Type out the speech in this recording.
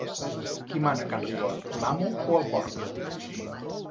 Qui mana a can Ribot, l'amo o el porc?